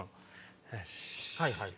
はいはい。